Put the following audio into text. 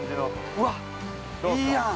◆うわっ、いいやん。